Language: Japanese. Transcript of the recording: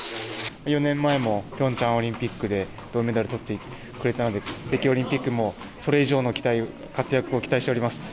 ４年前もピョンチャンオリンピックで銅メダルとってくれたので、北京オリンピックもそれ以上の活躍を期待しております。